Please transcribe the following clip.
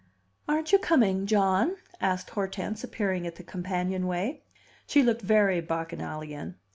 "Aren't you coming, John?" asked Hortense, appearing at the companionway. She looked very bacchanalian.